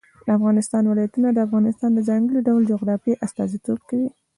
د افغانستان ولايتونه د افغانستان د ځانګړي ډول جغرافیه استازیتوب کوي.